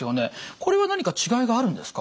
これは何か違いがあるんですか？